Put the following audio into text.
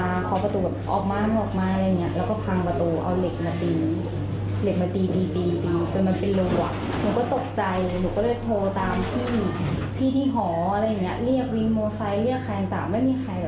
หรือนี่ก็คือเราต้องการช่วยหรืออะไรอย่างนี้